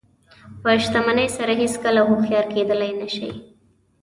په شتمنۍ سره هېڅکله هوښیار کېدلی نه شئ.